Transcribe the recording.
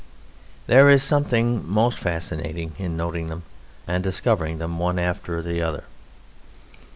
There is something most fascinating in noting them, and discovering them one after the other.